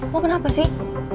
lo kenapa sih